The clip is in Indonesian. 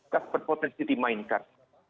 kasus berpotensi dimainkan